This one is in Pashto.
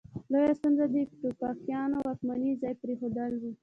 لویه ستونزه د ټوپکیانو واکمني ځان پرې ښودل وه.